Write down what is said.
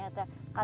sama saya sendiri